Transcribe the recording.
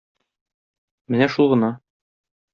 Менә шул гына.